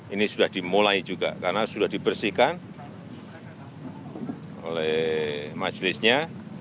ini sudah dimulai juga karena sudah dibersihkan oleh majelisnya